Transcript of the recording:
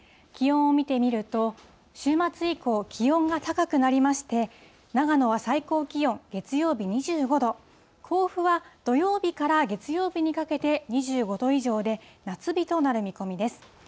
気温を見てみると、週末以降、気温が高くなりまして、長野は最高気温、月曜日２５度、甲府は土曜日から月曜日にかけて２５度以上で、夏日となる見込みです。